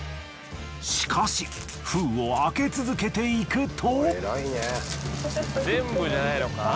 しかし封を開け続けていくと。